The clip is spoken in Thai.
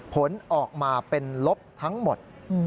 ผลออกมาเป็นลบทั้งหมด